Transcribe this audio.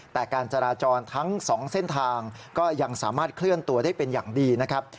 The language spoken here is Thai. แต่การจราจรทั้ง๒เส้นทางก็ยังสามารถเคลื่อนตัวได้เป็นอย่างดีนะครับ